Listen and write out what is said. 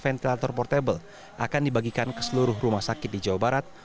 ventilator portable akan dibagikan ke seluruh rumah sakit di jawa barat